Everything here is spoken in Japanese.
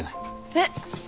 えっ？